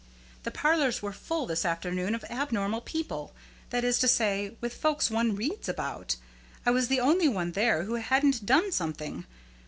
The parlors were full this afternoon of abnormal people, that is to say, with folks one reads about. I was the only one there who hadn't done something.